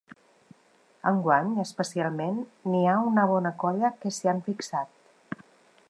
Enguany, especialment, n’hi ha una bona colla que s’hi han fixat.